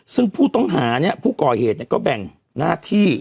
ซึ่งผู้ต้องหาเนี่ยผู้ก่อเหตุก็แบ่งหน้าที่